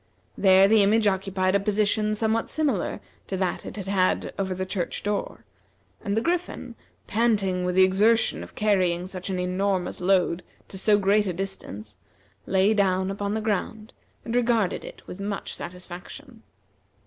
There the image occupied a position somewhat similar to that it had had over the church door; and the Griffin, panting with the exertion of carrying such an enormous load to so great a distance, lay down upon the ground, and regarded it with much satisfaction.